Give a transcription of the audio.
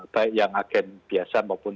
baik yang agen biasa maupun